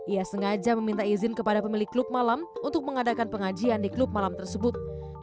ia sengaja meminta izin kepada pemilik klub malam untuk mengadakan pengajian di klub malam tersebut